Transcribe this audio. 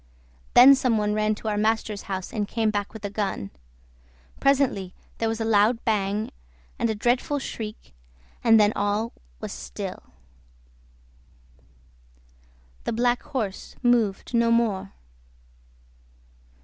Then some one ran to our master's house and came back with a gun; presently there was a loud bang and a dreadful shriek, and then all was still; the black horse moved no more.